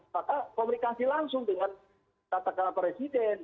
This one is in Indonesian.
maka komunikasi langsung dengan katakanlah presiden